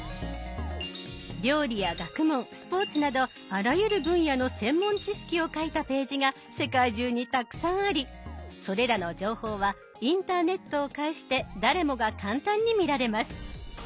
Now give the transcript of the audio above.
料理や学問スポーツなどあらゆる分野の専門知識を書いたページが世界中にたくさんありそれらの情報はインターネットを介して誰もが簡単に見られます。